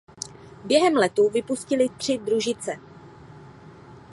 Během letu vypustili tři družice.